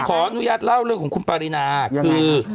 ขออนุญาตเล่าเรื่องของคุณปารีนาคือ